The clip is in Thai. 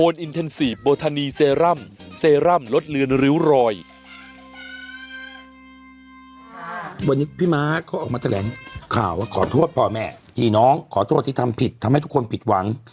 วันนี้พี่ม้าเขาออกมาแถลงข่าวขอโทษพ่อแม่พี่น้องขอโทษที่ทำผิดทำให้ทุกคนผิดหวัง